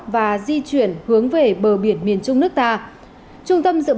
và di chuyển hướng việt nam